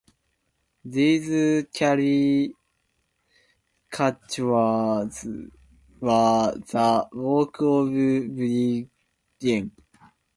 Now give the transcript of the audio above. These caricatures were the work of Brig.-Gen.